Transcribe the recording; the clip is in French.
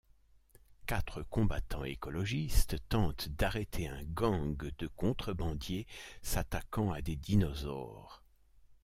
Quatre combattants écologistes tentent d'arrêter un gang de contrebandiers s'attaquant à des dinosaures.